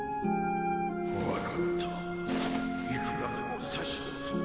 分かったいくらでも差し出そう